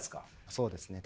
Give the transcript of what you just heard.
そうですね